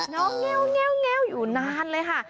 น้องแงวอยู่นานเลยค่ะ